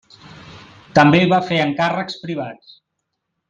També va fer encàrrecs privats.